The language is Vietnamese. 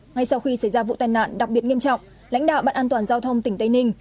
ngay sau khi xảy ra vụ tai nạn đặc biệt nghiêm trọng lãnh đạo ban an toàn giao thông tỉnh tây ninh